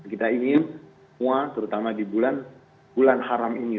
kita ingin mu'a terutama di bulan haram ini